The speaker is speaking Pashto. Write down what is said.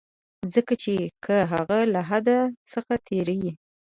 ځکه چي که هغه له حد څخه تېری.